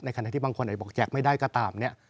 ขณะที่บางคนอาจจะบอกแจกไม่ได้ก็ตามเนี่ย